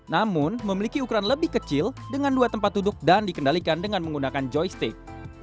namun memiliki ukuran lebih kecil dengan dua tempat duduk dan dikendalikan dengan menggunakan joy steak